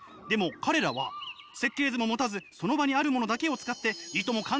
でも彼らは設計図も持たずその場にあるものだけを使っていとも